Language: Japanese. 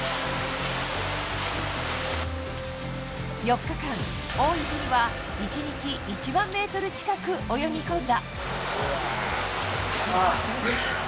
４日間、多い日には一日１００００ｍ近く泳ぎ込んだ。